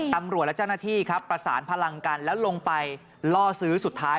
ตำรวจและเจ้าหน้าที่ครับประสานพลังกันแล้วลงไปล่อซื้อสุดท้าย